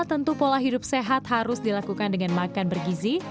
tentu pola hidup sehat harus dilakukan dengan makan bergizi